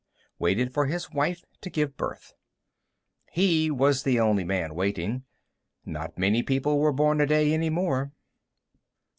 waited for his wife to give birth. He was the only man waiting. Not many people were born a day any more.